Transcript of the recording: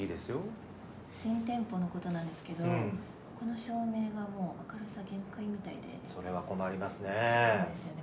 新店舗のことなんですけどこの照明がもう明るさ限界みたいでそれは困りますねそうですよね